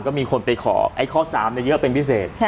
ก็มีคนไปขอไอ้ข้อ๓เดี๋ยวเป็นพิเศษ